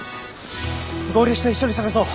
合流して一緒に捜そう。